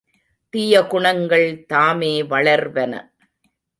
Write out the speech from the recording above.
தீய குணங்கள் தாமே வளர்வன.